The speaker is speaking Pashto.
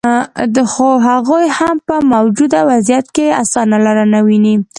خو هغوي هم په موجوده وضعیت کې اسانه لار نه ویني